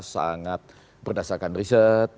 secara sangat berdasarkan riset